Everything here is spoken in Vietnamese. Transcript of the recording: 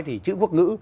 thì chữ quốc ngữ